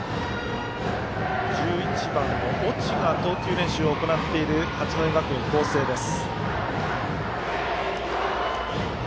１１番の越智が投球練習を行っている八戸学院光星です。